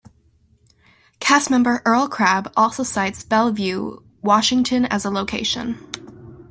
Castmember Earl Crabb also cites Bellevue, Washington as a location.